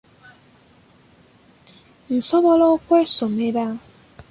Nsobola okwesomera!